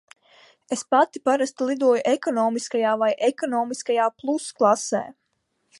Es pati parasti lidoju ekonomiskajā vai ekonomiskajā plus klasē.